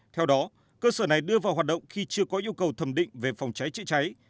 theo đó cơ sở này đưa vào hoạt động khi chưa có yêu cầu thẩm định về phòng cháy chữa cháy